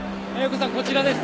こちらです。